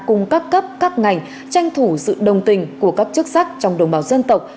cung cấp cấp các ngành tranh thủ sự đồng tình của các chức sắc trong đồng bào dân tộc